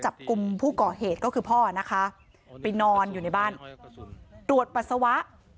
บ้านโฆกับกุมผู้เกาะเหตุก็คือพ่อนะคะไปนอนอยู่ในบ้านตรวจบรักษะวะ